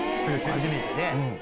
初めてで。